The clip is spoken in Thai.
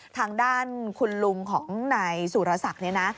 ทางด้านคุณลุงของนายสุรศักดิ์เนี่ยนะ